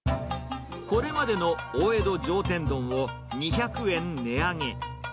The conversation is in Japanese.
これまでの大江戸上天丼を２００円値上げ。